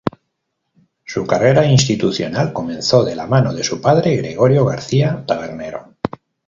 Su carrera institucional comenzó de la mano de su padre, Gregorio García Tabernero.